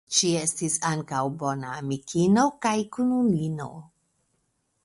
Ŝi estis ankaŭ bona amikino kaj kunulino.